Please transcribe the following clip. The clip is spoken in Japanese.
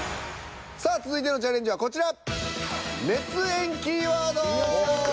さあ続いてのチャレンジはこちら！